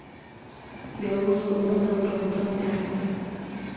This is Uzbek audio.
Yolg‘iz o‘g‘il dovrug‘i dong taratdi.